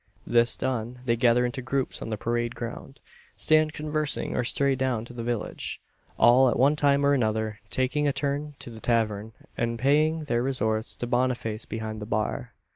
This done, they gather into groups on the parade ground; stand conversing or stray down to the village; all, at one time or another, taking a turn into the tavern, and paying their respects to Boniface behind the bar.